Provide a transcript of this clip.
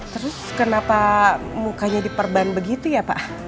terus kenapa mukanya diperban begitu ya pak